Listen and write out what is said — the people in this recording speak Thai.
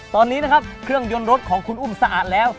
ตอนนี้นะครับเครื่องยนต์รถของคุณอุ้มสะอาดแล้ว